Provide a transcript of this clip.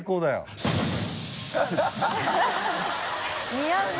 似合うな。